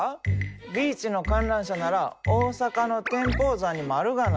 ビーチの観覧車なら大阪の天保山にもあるがな。